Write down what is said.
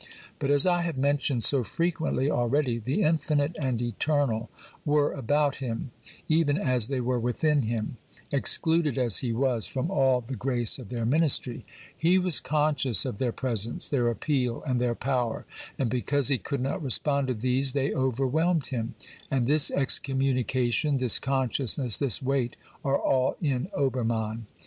But as I have mentioned so frequently already, the infinite and eternal were about him, even as they were within him ; excluded as he was from all the grace of their ministry, he was conscious of their presence, their appeal and their power, and because he could not respond to these they overwhelmed him, and this ex communication, this consciousness, this weight are all in Obermann.